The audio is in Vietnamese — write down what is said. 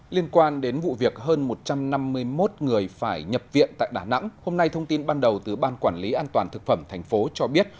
liên quan đến vụ việc hơn một trăm năm mươi một người phải nhập viện tại đà nẵng hôm nay thông tin ban đầu từ ban quản lý an toàn thực phẩm thành phố cho biết